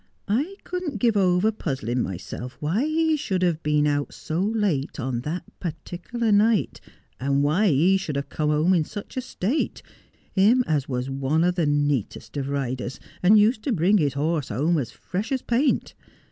I couldn't give over puzzling myself why he should have been out so late on that par ticular night, and why he should have come home in such a state, him as was one of the neatest of riders, and used to bring his horse home as fresh as paint.